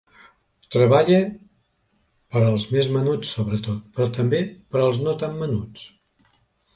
Treballe per als més menuts sobretot, però també per als no tan menuts.